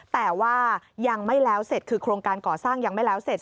แต่ว่ายังไม่แล้วเสร็จคือโครงการก่อสร้างยังไม่แล้วเสร็จ